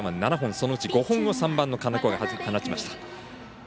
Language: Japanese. そのうち５本を３番の金子が放ちました。